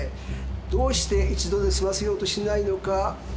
どうして一度で済ませようとしないのか。